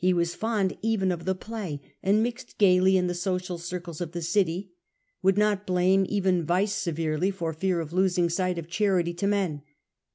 was fond even of the play, and mixed gaily in the social circles of the city; would not blame even vice severely, for fear of losing sight of charity to men.